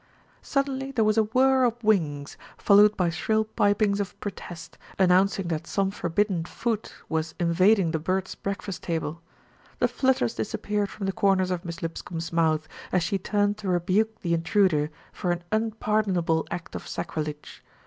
Suddenly there was a whirr of wings, followed by shrill pipings of protest, announcing that some forbid den foot was invading the birds' breakfast table. The flutters disappeared from the corners of Miss Lip scombe's mouth, as she turned to rebuke the intruder for an unpardonable act of sacrilege.